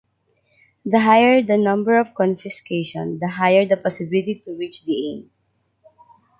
The higher the number of confiscation, the higher the possibility to reach the aim.